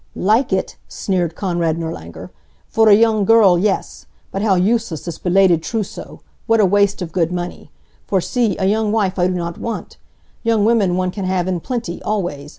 "Like it?" sneered Konrad Nirlanger. "For a young girl, yes. But how useless, this belated trousseau. What a waste of good money! For see, a young wife I do not want. Young women one can have in plenty, always.